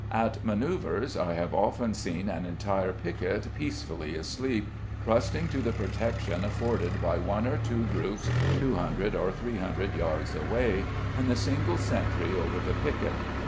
At manœuvres I have often seen an entire piquet peacefully asleep, trusting to the protection afforded by one or two groups 200 or 300 yards away, and the single sentry over the piquet.